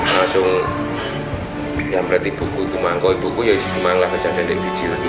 langsung yang berarti buku ikut mangkuk ikut buku ya isi gimana lah kejadian dan video itu